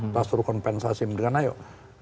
pastur kompensasi karena yuk